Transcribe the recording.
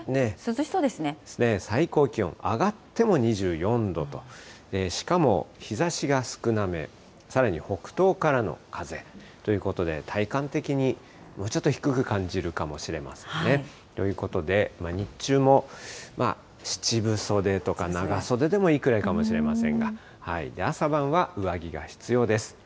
最高気温、上がっても２４度と、しかも日ざしが少なめ、さらに北東からの風ということで、体感的にもうちょっと低く感じるかもしれませんね。ということで、日中も７分袖とか、長袖でもいいくらいかもしれませんが、朝晩は上着が必要です。